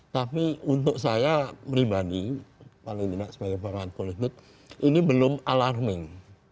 tapi untuk saya pribadi paling tidak sebagai pengamat politik ini belum alarming